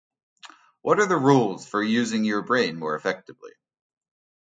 What are the rules for using your brain more effectively?